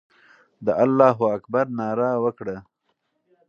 د الله اکبر ناره وکړه.